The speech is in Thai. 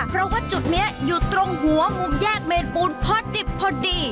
เพราะว่าจุดนี้อยู่ตรงหัวมุมแยกเมนปูนพอดิบพอดี